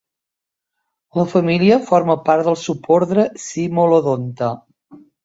La família forma part del subordre Cimolodonta.